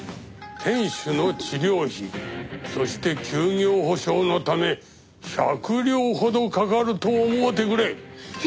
店主の治療費そして休業補償のため百両ほどかかると思うてくれ！